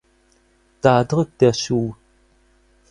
Da drückt der Schuh.